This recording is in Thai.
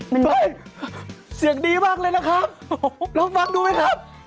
มันเสียงดีมากเลยนะครับลองฟังดูไหมครับ